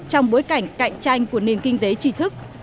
trong bối cảnh cạnh tranh của nền kinh tế trí thức